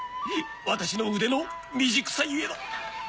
私の腕の未熟さゆえだ！